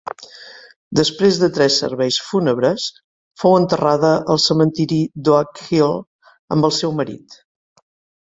Després de tres serveis fúnebres, fou enterrada al cementeri d'Oak Hill amb el seu marit.